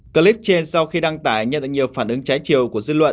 clip trên sau khi đăng tải nhận được nhiều phản ứng trái chiều của dư luận